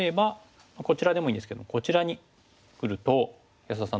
こちらでもいいんですけどこちらにくると安田さん